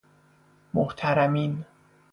محترمین